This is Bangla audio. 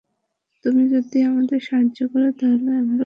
তুমি যদি আমাদের সাহায্য করো, তাহলে আমরা এই সমস্ত হত্যাকাণ্ড রোধ করতে পারব।